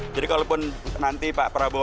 jadi kalau pun nanti pak prabowo